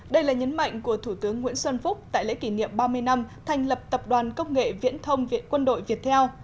đây là nhấn mạnh của thủ tướng nguyễn xuân phúc tại lễ kỷ niệm ba mươi năm thành lập tập đoàn công nghệ viễn thông viện quân đội việt theo